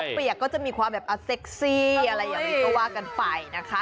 เปียกก็จะมีความแบบเซ็กซี่อะไรอย่างนี้ก็ว่ากันไปนะคะ